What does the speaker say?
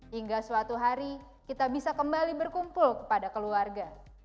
hingga suatu hari kita bisa kembali berkumpul kepada keluarga